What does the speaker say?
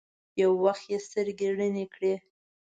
يو وخت يې سترګې رڼې کړې.